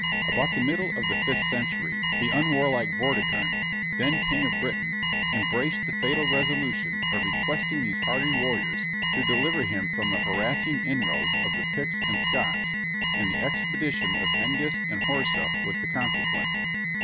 About the middle of the fifth century, the unwarlike Vortigern, then king of Britain, embraced the fatal resolution of requesting these hardy warriors to deliver him from the harassing inroads of the Picts and Scots; and the expedition of Hengist and Horsa was the consequence.